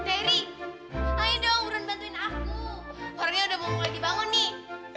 teri ayo dong beran bantuin aku warnanya udah mau mulai dibangun nih